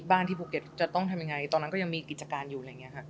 บ้านที่ภูเก็ตจะต้องทำยังไงตอนนั้นก็ยังมีกิจการอยู่